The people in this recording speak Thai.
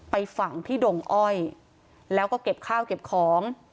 ไปฝังที่ดงอ้อยแล้วก็เก็บข้าวเก็บของ